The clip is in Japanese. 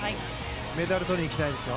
メダルとりにいきたいですよ。